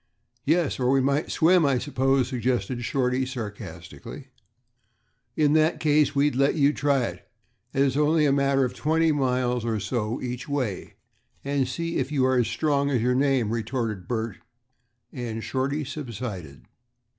"Yes, or we might swim, I suppose," suggested Shorty, sarcastically. "In that case, we'd let you try it, as its only a matter of twenty miles or so each way, and see if you are as strong as your name," retorted Bert, and Shorty subsided.